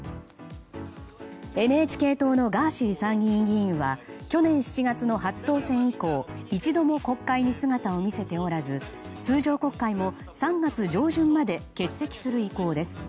ＮＨＫ党のガーシー参議院議員は去年７月の初当選以降一度も国会に姿を見せておらず通常国会も３月上旬まで欠席する意向です。